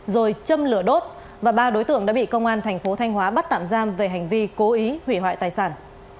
rồi châm lửa đốt và ba đối tượng đã bị công an thành phố thanh hóa bắt tạm giam về hành vi cố ý hủy hoại tài sản